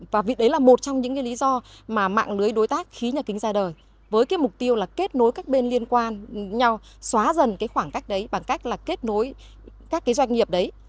và vì đấy là một trong những lý do mà mạng lưới đối tác khí nhà kính ra đời với mục tiêu là kết nối các bên liên quan nhau xóa dần khoảng cách đấy bằng cách kết nối các doanh nghiệp đấy